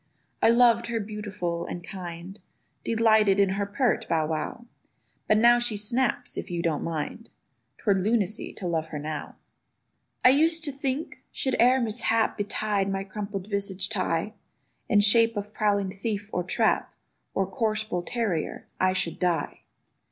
I loved her beautiful and kind; Delighted in her pert Bow wow: But now she snaps if you don't mind; 'Twere lunacy to love her now. I used to think, should e'er mishap Betide my crumple visaged Ti, In shape of prowling thief, or trap, Or coarse bull terrier—I should die.